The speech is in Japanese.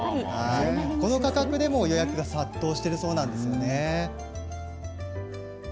この価格でも予約が殺到しているそうです。